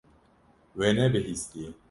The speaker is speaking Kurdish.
We nebihîstiye.